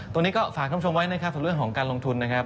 ตรงนี้ก็ฝากคำชมไว้นะครับส่วนเรื่องของการลงทุนนะครับ